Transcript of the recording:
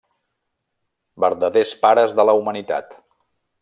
Verdaders Pares de la Humanitat.